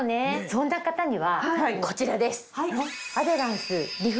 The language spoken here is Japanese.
そんな方にはこちらです！